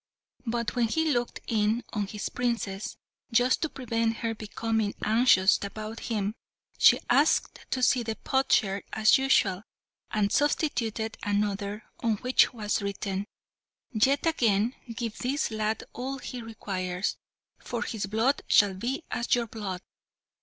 But when he looked in on his Princess, just to prevent her becoming anxious about him, she asked to see the potsherd as usual, and substituted another, on which was written, "Yet again give this lad all he requires, for his blood shall be as your blood!"